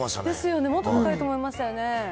ですよね、もっと高いと思いましたよね。